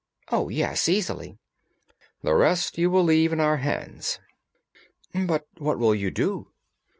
"Oh, yes, easily." "The rest you will leave in our hands." "But what will you do?"